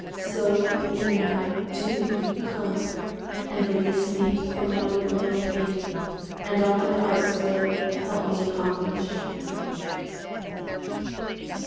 So even now, too, Come and release me From mordant love pain, And all my heart's will 35 Help me accomplish!